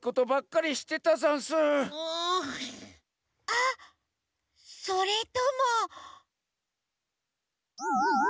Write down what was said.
あっそれとも。